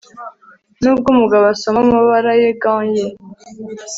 Nubwo umugabo asoma amabara ya gants ye